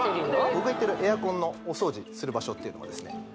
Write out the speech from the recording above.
僕が言ってるエアコンのお掃除する場所っていうのはですね